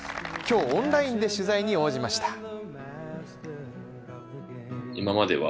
今日オンラインで取材に応じました。